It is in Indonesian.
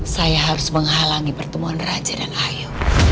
saya harus menghalangi pertemuan raja dan ayu